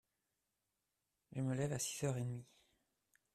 Je me lève à six heures et demi.